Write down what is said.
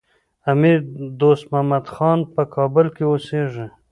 امیر دوست محمد خان په کابل کي اوسېږي.